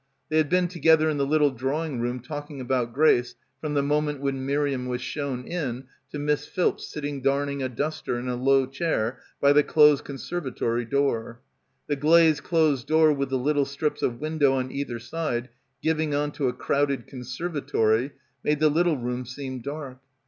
They had been together in the little drawing room talking about Grace from the moment when Miriam was shown in to Mrs. Philps sitting darn ing a duster in a low chair by the closed conserva tory door. The glazed closed door with the little strips of window on either side giving on to a crowded conservatory made the little room seem dark.